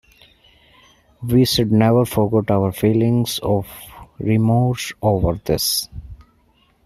We should never forget our feelings of remorse over this.